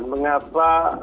seperti yang mas reza sampaikan